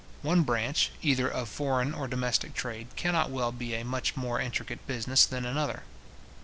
One branch, either of foreign or domestic trade, cannot well be a much more intricate business than another.